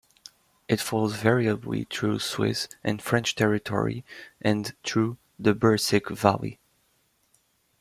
It flows variably through Swiss and French territory and through the Birsig Valley.